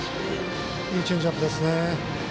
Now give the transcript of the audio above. いいチェンジアップです。